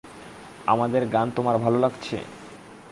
আমাদের গান তোমার ভালো লাগছে?